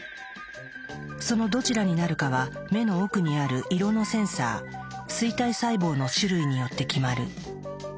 そのどちらになるかは目の奥にある色のセンサー「錐体細胞」の種類によって決まる。